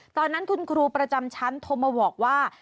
ตอนนั้นคุณครูประจำชั้นโทรมาบอกว่า